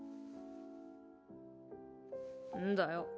んだよ？